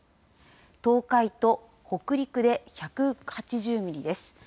東海と北陸で１８０ミリです。